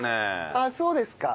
あっそうですか？